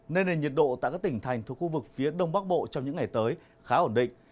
nên nền nhiệt độ tại các tỉnh thành thuộc khu vực phía đông bắc bộ trong những ngày tới khá ổn định